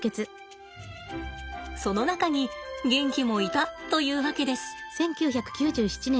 その中にゲンキもいたというわけです。